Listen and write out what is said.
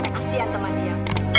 kasihan sama dia